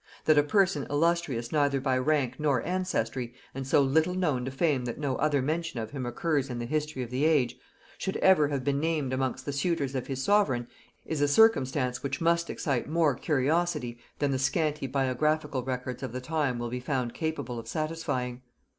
That a person illustrious neither by rank nor ancestry, and so little known to fame that no other mention of him occurs in the history of the age, should ever have been named amongst the suitors of his sovereign, is a circumstance which must excite more curiosity than the scanty biographical records of the time will be found capable of satisfying.